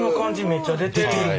めっちゃ出てる。